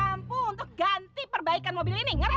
mampu untuk ganti perbaikan mobil ini ngerti